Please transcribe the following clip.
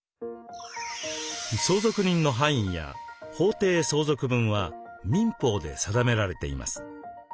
相続人の範囲や法定相続分は民法で定められています。